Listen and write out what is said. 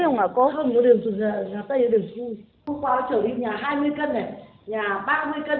có loại chứ thui không hả có không nó đều xuất ra nhà tây nó đều xuất ra